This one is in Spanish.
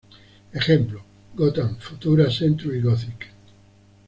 Ejemplos: Gotham, Futura, Century Gothic.